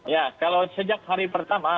ya kalau sejak hari pertama